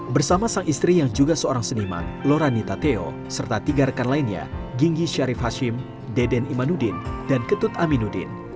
bersama sang istri yang juga seorang seniman lorani tateo serta tiga rekan lainnya ginggi syarif hashim deden imanudin dan ketut aminuddin